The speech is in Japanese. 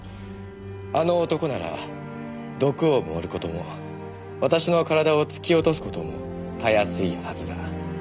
「あの男なら毒を盛ることも私の体を突き落とすことも容易いはずだ」